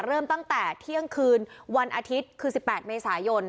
เริ่มตั้งแต่เที่ยงคืนวันอาทิตย์คือ๑๘เมษายน